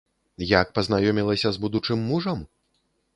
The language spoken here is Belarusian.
Як пазнаёмілася з будучым мужам?